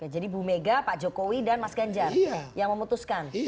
jadi bu mega pak jokowi dan mas ganjar yang memutuskan